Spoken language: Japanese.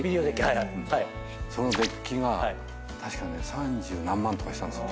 そのデッキが確かね三十何万とかしたんですよ